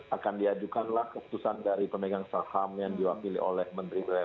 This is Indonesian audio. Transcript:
akan diajukanlah keputusan dari pemegang saham yang diwakili oleh menteri bumn